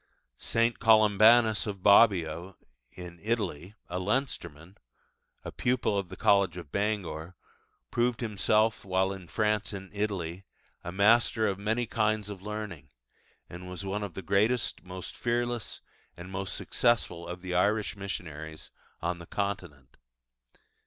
St. Columbanus of Bobbio (in Italy), a Leinsterman, a pupil of the college of Bangor, proved himself, while in France and Italy, a master of many kinds of learning, and was one of the greatest, most fearless, and most successful of the Irish missionaries on the Continent.